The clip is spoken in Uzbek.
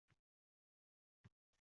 Axir qanaqasiga